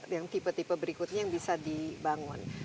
yang tipe tipe berikutnya yang bisa dibangun